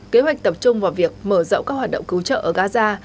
kế hoạch tập trung vào việc mở rộng các hoạt động cứu trợ ở gaza